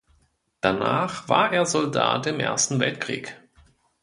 Danach war er Soldat im Ersten Weltkrieg.